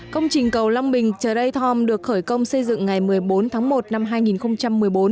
công trình cầu long bình ther ray tom được khởi công xây dựng ngày một mươi bốn tháng một năm hai nghìn một mươi bốn